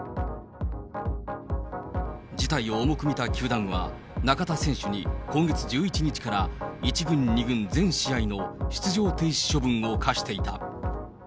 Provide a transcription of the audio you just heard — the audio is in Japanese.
事態を重く見た球団は、中田選手に今月１１日から１軍、２軍全試合の出場停止処分を科していた。